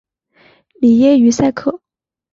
里耶于塞克。